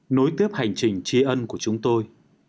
cuối tiếp hành trình trí ân của chúng tôi